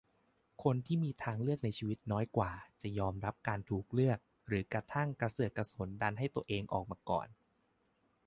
คนที่มีทางเลือกในชีวิตน้อยกว่า จะยอมรับการถูกเลือกหรือกระทั่งกระเสือกกระสนดันให้ตัวเองออกมาก่อน